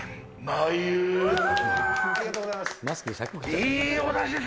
ありがとうございます。